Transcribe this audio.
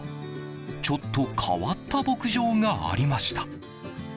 ちょっと変わった牧場がありました。